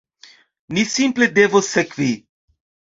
Ni simple devos sekvi.